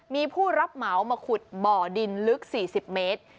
มีผู้รับเหมามาขุดบ่อดินลึก๔๐เมตร